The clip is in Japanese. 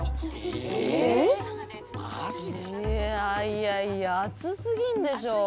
いやいやいや暑すぎんでしょ。